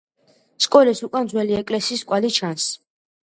სკოლის უკან ძველი ეკლესიის კვალი ჩანს.